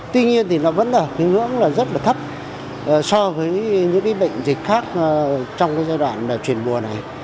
tuy nhiên thì nó vẫn là hướng hướng rất là thấp so với những bệnh dịch khác trong giai đoạn truyền mùa này